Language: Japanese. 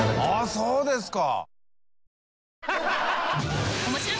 そうですか！